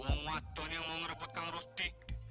uang wadon yang mau ngerepotkan rusti